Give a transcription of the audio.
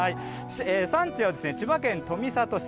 産地は千葉県富里市。